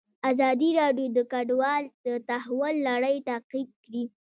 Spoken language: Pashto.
ازادي راډیو د کډوال د تحول لړۍ تعقیب کړې.